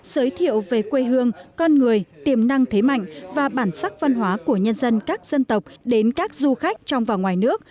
giới thiệu về quê hương con người tiềm năng thế mạnh và bản sắc văn hóa của nhân dân các dân tộc đến các du khách trong và ngoài nước